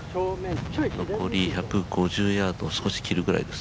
残り１５０ヤードを少し切るぐらいです。